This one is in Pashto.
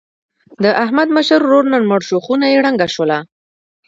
د احمد مشر ورور نن مړ شو. خونه یې ړنګه شوله.